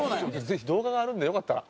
ぜひ動画があるんでよかったら。